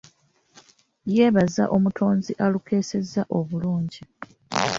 Yeebaza omutonzi alukeesezza obulungi.